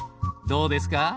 どうですか？